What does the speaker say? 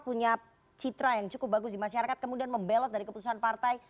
punya citra yang cukup bagus di masyarakat kemudian membelot dari keputusan partai